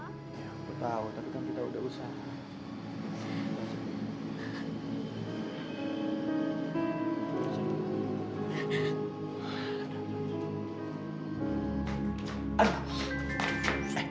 ya aku tahu tapi kan kita udah usah